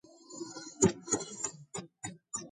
ამან ცუდად იმოქმედა გუნდზე.